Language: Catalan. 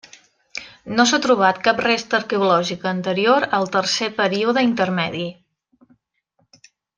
No s'ha trobat cap resta arqueològica anterior al tercer Període Intermedi.